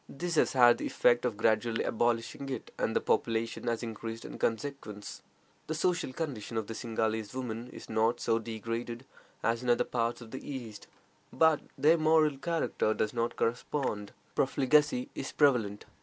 This has had the effect of gradually abolishing it, and the population has increased in consequence. The social condition of the Singhalese women is not so degraded as in other parts of the East, but their moral character does not correspond. Profligacy is prevalent.